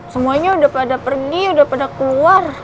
semuanya udah pada pergi udah pada keluar